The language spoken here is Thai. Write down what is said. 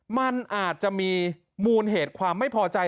มันอาจจะมีมูลเหตุความไม่พอใจ